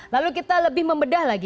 lalu kita lebih membedah lagi